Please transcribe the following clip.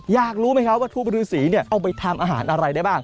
อยากรู้ไหมครับว่าทูปฤษีเอาไปทำอาหารอะไรได้บ้าง